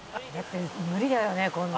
「無理だよねこんな」